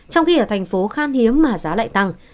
trong khi ở thành phố khan hiếm mà giá lại tăng